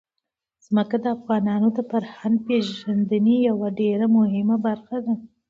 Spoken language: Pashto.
ځمکه د افغانانو د فرهنګي پیژندنې یوه ډېره مهمه برخه ده.